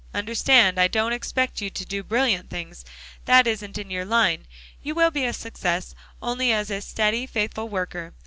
Understand I don't expect you to do brilliant things; that isn't in your line. You will be a success only as a steady, faithful worker.